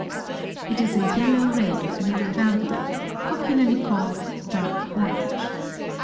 It is a yellow red of middle value, popularly called "dark orange."